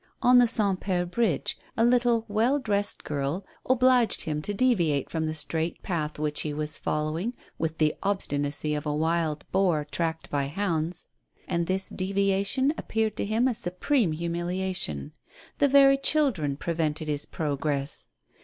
On the Saints Peres Bridge a little well dressed girl obliged him to deviate from the straight path which he was fol lowing with the obstinacy of a wild boar tracked by hounds, and this deviation appeared to him a supreme humiliation. The very children prevented his progress!